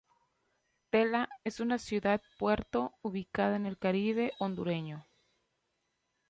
Tela es una ciudad puerto ubicada en el Caribe hondureño.